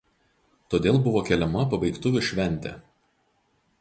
Todėl buvo keliama pabaigtuvių šventė.